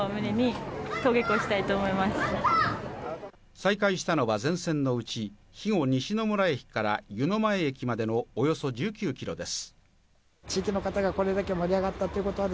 再開したのは全線のうち肥後西村駅から湯前駅までのおよそ１９ｋｍです。